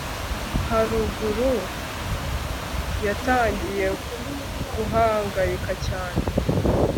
haruguru yatangiye guhangayika cyane